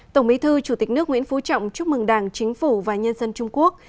tổng bí thư chủ tịch nước nguyễn phú trọng chúc mừng đảng chính phủ và nhân dân trung quốc